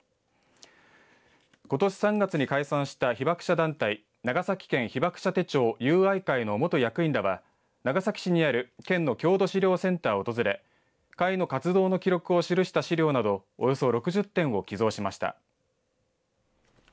ことし３月に解散した被爆者団体、長崎県被爆者手帳友愛会の元役員らは長崎市にある県の郷土資料センターを訪れ会の活動の記録を記した資料などおよそ６０点を寄贈しました。